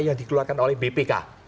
yang dikeluarkan oleh bpk